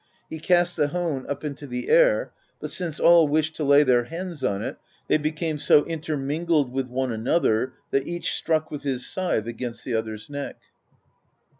He cast the hone up into the air; but since all wished to lay their hands on it, they became so intermingled with one another that each struck with his scythe against the other's neck.